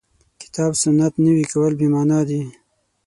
کتاب سنت نوي کول بې معنا ده.